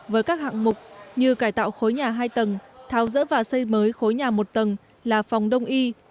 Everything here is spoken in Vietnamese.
với các hạng mục như cải tạo khối nhà hai tầng tháo dỡ và xây mới khối nhà một tầng là phòng đông y